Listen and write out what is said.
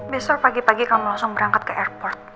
besok pagi pagi kamu langsung berangkat ke airport